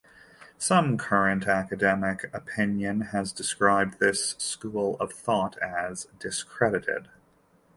Some current academic opinion has described this school of thought as "discredited".